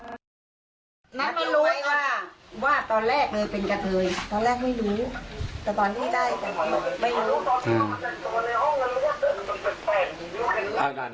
นั้นมันรู้ว่าว่าตอนแรกเลยเป็นกะเทยตอนแรกไม่รู้